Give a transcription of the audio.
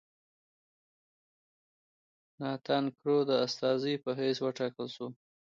ناتان کرو د استازي په حیث وټاکل شو.